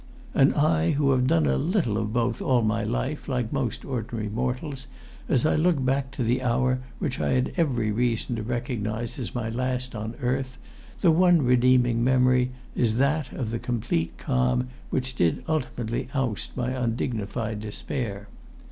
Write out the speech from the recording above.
And I, who have done a little of both all my life, like most ordinary mortals, as I look back to the hour which I had every reason to recognise as my last on earth, the one redeeming memory is that of the complete calm which did ultimately oust my undignified despair.